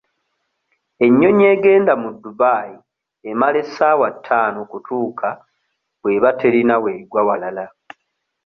Ennyonyi egenda mu Dubai emala essaawa ttaano okutuuka bw'eba terina w'egwa walala.